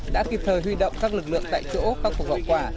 đã kịp thời huy động các lực lượng tại chỗ các cuộc gọi quả